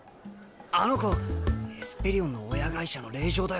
あの子エスペリオンの親会社の令嬢だよな。